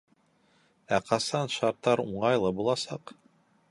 Ә ҡасан шарттар уңайлы буласаҡ?